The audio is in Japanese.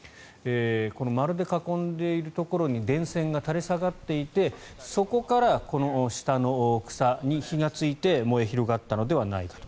丸で囲んでいるところに電線が垂れ下がっていてそこから下の草に火がついて燃え広がったのではないかと。